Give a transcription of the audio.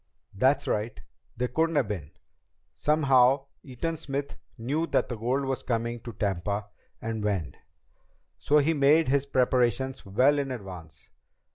"That's right. They couldn't have been. Somehow, Eaton Smith knew that the gold was coming to Tampa, and when. So he made his preparations well in advance.